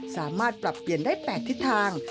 สามารถปรับเปลี่ยนได้๘ทิศทาง